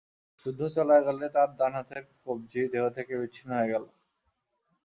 যুদ্ধ চলাকালে তার ডান হাতের কজি দেহ থেকে বিচ্ছিন্ন হয়ে গেল।